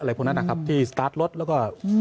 พวกนั้นนะครับที่สตาร์ทรถแล้วก็